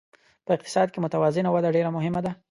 په اقتصاد کې متوازنه وده ډېره مهمه ده.